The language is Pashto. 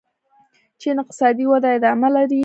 چین اقتصادي وده ادامه لري.